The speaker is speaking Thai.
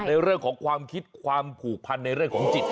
ในเรื่องของความคิดความผูกพันในเรื่องของจิต